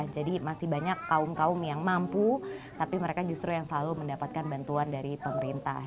jadi masih banyak kaum kaum yang mampu tapi mereka justru yang selalu mendapatkan bantuan dari pemerintah